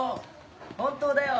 本当だよ！